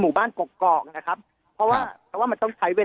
หายจริงหายจริงหายจริงหายจริงหายจริงหายจริงหายจริง